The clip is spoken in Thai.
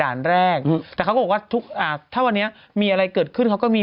แรกอืมแต่เขาก็บอกว่าทุกอ่าถ้าวันนี้มีอะไรเกิดขึ้นเขาก็มี